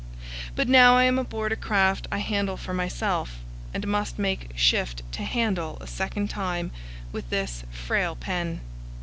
But now I am aboard a craft I handle for myself, and must make shift to handle a second time with this frail pen.